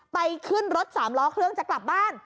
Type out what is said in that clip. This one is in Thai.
ไปขึ้นรถสามล้อเครื่องจะกลับบ้าน